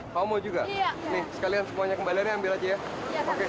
kalau mau juga sekalian semuanya kembali ambil aja ya oke